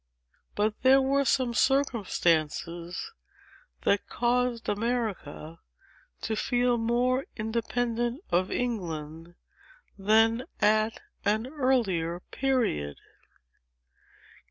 But, there were some circumstances, that caused America to feel more independent of England than at an earlier period.